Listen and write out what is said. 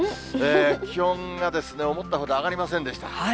気温が思ったほど上がりませんでした。